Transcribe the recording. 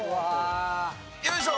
よいしょ！